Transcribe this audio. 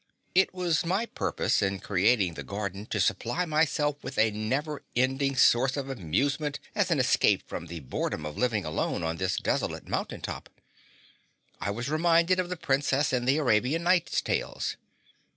It was my purpose in creating the garden to supply myself with a never ending source of amusement as an escape from the boredom of living alone on this desolate mountain top. I was reminded of the Princess in the Arabian Nights tales.